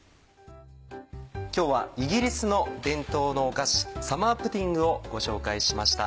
今日はイギリスの伝統のお菓子「サマープディング」をご紹介しました。